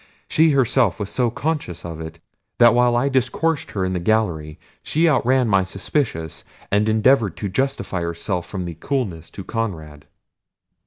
She herself was so conscious of it, that while I discoursed her in the gallery, she outran my suspicions, and endeavoured to justify herself from coolness to Conrad."